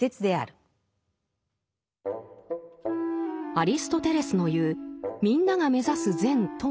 アリストテレスの言う「みんなが目指す善」とは何か？